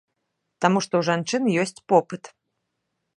Таму што ў жанчын ёсць попыт.